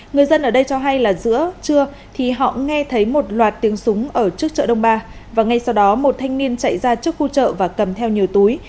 người dân ở đây cho hay là giữa trưa thì họ nghe thấy một loạt tiếng súng ở trước chợ đông ba và ngay sau đó một thanh niên chạy ra trước khu chợ và cầm theo nhiều túi